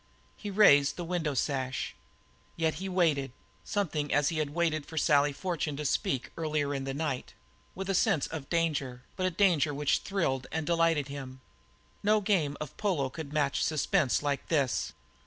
He raised the window sash. Yet he waited, something as he had waited for Sally Fortune to speak earlier in the night, with a sense of danger, but a danger which thrilled and delighted him. No game of polo could match suspense like this.